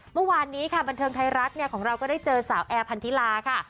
เมื่อวานนี้ค่ะบันเทิงไทยรัฐของเราก็ได้เจอสาวแอร์พันธิลาค่ะ